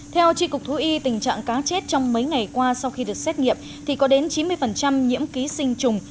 theo tri cục thú y tình trạng cá chết trong mấy ngày qua sau khi được xét nghiệm thì có đến chín mươi nhiễm ký sinh trùng